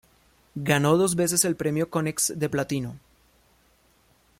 Ganó dos veces el Premio Konex de Platino.